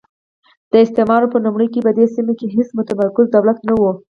د استعمار په لومړیو کې په دې سیمه کې هېڅ متمرکز دولت نه وو.